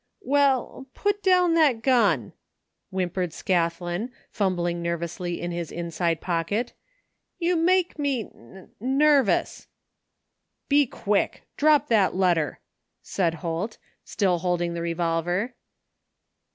" Well, put down that gun, whimpered Scathlin, fumbling nervously in his inside pocket, " you make me n n nervous! !'* Be quick! Drop that letter!'' said Holt, still holding the revolver.